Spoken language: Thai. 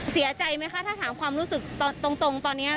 เสียใจไหมคะถ้าถามความรู้สึกตรงตอนนี้